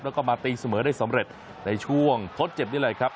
แล้วก็มาตีเสมอได้สำเร็จในช่วงทดเจ็บนี่แหละครับ